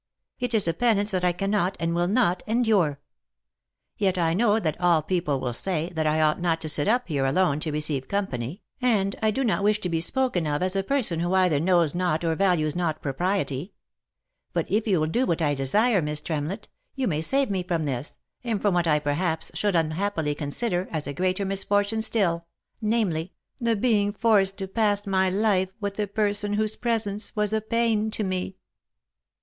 It is a pe nance that I cannot, and will not endure. Yet I know that all people will say, that I ought not to sit up here alone to receive company, and I do not wish to be spoken of as a person who either knows not or values not propriety. But if you will do what I de sire, Mrs. Tremlett, you may save me from this, and from what I perhaps should unhappily consider as a greater misfortune still, namely, the being forced to pass my life with a person whose pre sence was a pain to me."